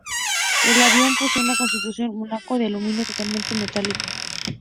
El avión posee una construcción monocasco de aluminio totalmente metálica.